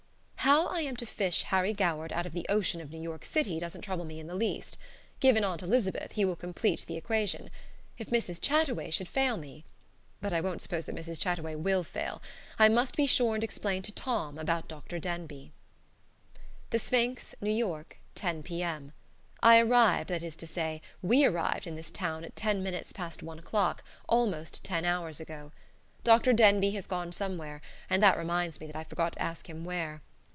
How I am to fish Harry Goward out of the ocean of New York city doesn't trouble me in the least. Given Aunt Elizabeth, he will complete the equation. If Mrs. Chataway should fail me But I won't suppose that Mrs. Chataway will fail. I must be sure and explain to Tom about Dr. Denbigh. "The Sphinx," New York, 10 P.M. I arrived that is to say, we arrived in this town at ten minutes past one o'clock, almost ten hours ago. Dr. Denbigh has gone somewhere and that reminds me that I forgot to ask him where.